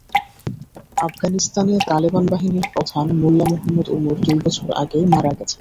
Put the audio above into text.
আফগানিস্তানে তালেবান বাহিনীর প্রধান মোল্লা মোহাম্মদ ওমর দুই বছর আগে মারা গেছেন।